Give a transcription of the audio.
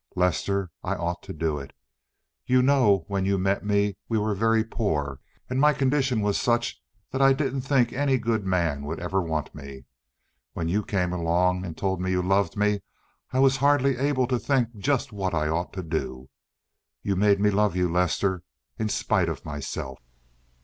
Lester, I ought to do it. You know when you met me we were very poor, and my condition was such that I didn't think any good man would ever want me. When you came along and told me you loved me I was hardly able to think just what I ought to do. You made me love you, Lester, in spite of myself.